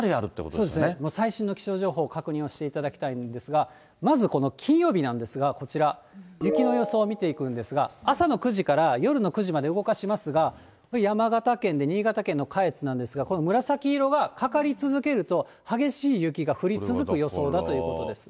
そうですね、最新の気象情報を確認をしていただきたいんですが、まずこの金曜日なんですが、こちら、雪の予想見ていくんですが、朝の９時から夜の９時まで動かしますが、山形県で、新潟県の下越なんですが、この紫色がかかり続けると、激しい雪が降り続く予想だということです。